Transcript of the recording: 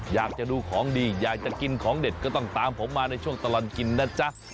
อยากจะดูของดีอยากจะกินของเด็ดก็ต้องตามผมมาในช่วงตลอดกินนะจ๊ะ